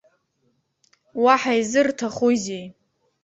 Уаҳа изырҭахузеи?